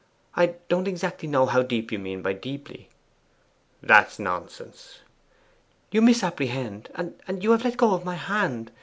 'I don't exactly know how deep you mean by deeply.' 'That's nonsense.' 'You misapprehend; and you have let go my hand!